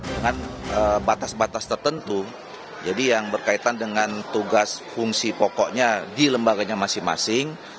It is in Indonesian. dengan batas batas tertentu jadi yang berkaitan dengan tugas fungsi pokoknya di lembaganya masing masing